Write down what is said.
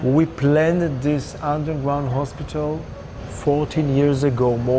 kami menyiapkan hospital di bawah ini empat belas tahun lalu